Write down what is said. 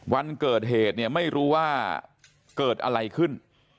วันเกิดเหตุเนี่ยไม่รู้ว่าเกิดอะไรขึ้น